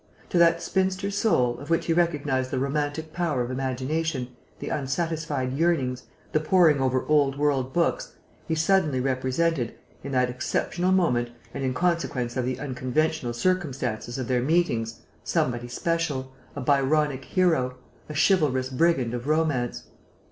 To that spinster soul, of which he recognized the romantic power of imagination, the unsatisfied yearnings, the poring over old world books, he suddenly represented, in that exceptional moment and in consequence of the unconventional circumstances of their meetings, somebody special, a Byronic hero, a chivalrous brigand of romance.